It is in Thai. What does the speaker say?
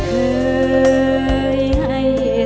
เคยให้ยิน